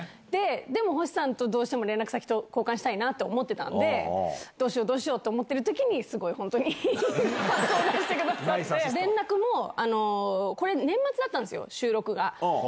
でも、星さんとどうしても連絡先交換したいなと思ってたんで、どうしよう、どうしようと思ってるときに、すごい本当に、パスを出してくださって、連絡も、これ、年末だったんですよ、収録が。